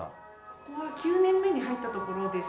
ここは９年目に入ったところです。